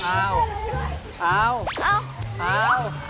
อ้าวอ้าวอ้าวอ้าว